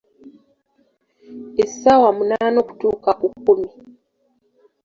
Essaawa munaana okutuuka ku kkumi.